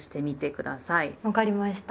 分かりました。